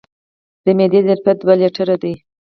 د معدې ظرفیت دوه لیټره دی.